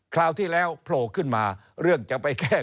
คราวที่แล้วโผล่ขึ้นมาเรื่องจะไปแก้